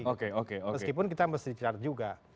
meskipun kita mesti dicar juga